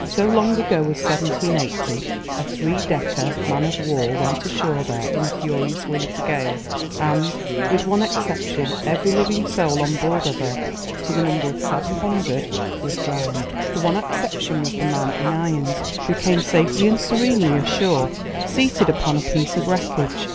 So long ago as 1780 a three decker man of war went ashore there in a furious winter gale, and, with one exception, every living soul on board of her, to the number of seven hundred, was drowned. The one exception was a man in irons, who came safely and serenely ashore seated upon a piece of wreckage.